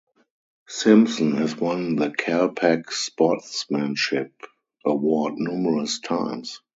Simpson has won the Cal Pac Sportsmanship award numerous times.